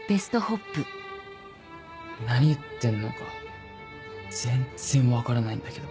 何言ってんのか全然分からないんだけど。